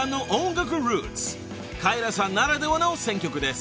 ［カエラさんならではの選曲です］